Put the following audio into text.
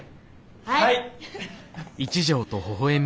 はい！